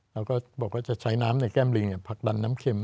เราก็บอกว่าจะใช้น้ำในแก้มลิงผลักดันน้ำเข็ม